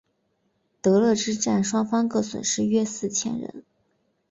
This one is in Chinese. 德勒之战双方各损失约四千人。